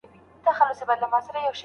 تاسو د یوې موخي لپاره پیدا سوي یاست.